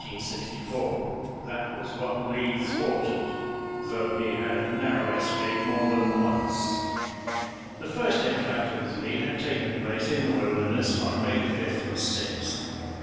That was what Lee thwarted, though he had a narrow escape more than once. The first encounter with Lee had taken place in the Wilderness on May 5th and 6th.